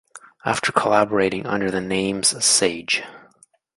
After collaborating under the names Sage.